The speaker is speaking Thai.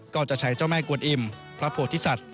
ก็จะใช้เจ้าแม่กวนอิ่มพระโพธิสัตว